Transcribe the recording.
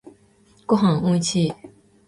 ごはんおいしい。